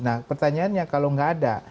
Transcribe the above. nah pertanyaannya kalau nggak ada